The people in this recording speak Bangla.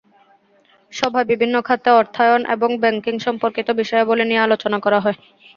সভায় বিভিন্ন খাতে অর্থায়ন এবং ব্যাংকিং-সম্পর্কিত বিষয়াবলি নিয়ে আলোচনা করা হয়।